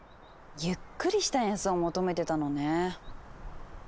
ゆっくりした演奏を求めてたのね。